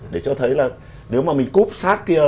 để cho thấy là nếu mà mình cúp sát kia